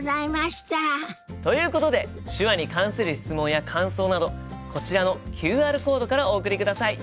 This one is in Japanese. ということで手話に関する質問や感想などこちらのＱＲコードからお送りください。